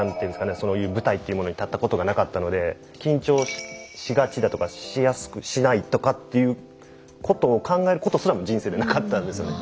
そういう舞台っていうものに立ったことがなかったので緊張しがちだとかしないとかっていうことを考えることすらも人生でなかったんですよね。